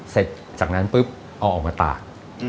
เสร็จจากนั้นปุ๊บเอาออกมาตาก